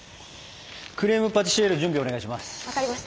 クレーム・パティシエール準備お願いします。